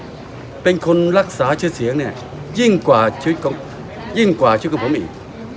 ผมเป็นคนรักษาชื่อเสียงยิ่งกว่าชีวิตของผมอีก